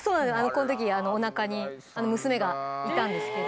この時おなかに娘がいたんですけど。